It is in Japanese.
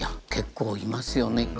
結構いますよね。